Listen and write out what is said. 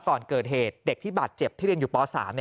ก่อนเกิดเหตุเด็กที่บาดเจ็บที่เรียนอยู่ป๓